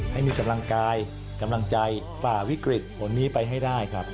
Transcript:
ให้มีกำลังกายกำลังใจฝ่าวิกฤตผลนี้ไปให้ได้ครับ